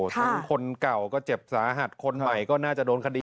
ทั้งคนเก่าก็เจ็บสาหัสคนใหม่ก็น่าจะโดนคดี